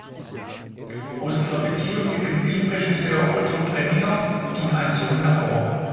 Aus ihrer Beziehung mit dem Filmregisseur Otto Preminger ging ein Sohn hervor.